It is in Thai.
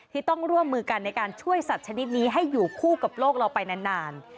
ที่ต้องร่วมมือกันในการช่วยสัตว์ชนิดนี้ให้อยู่คู่กับโลกเราไปนาน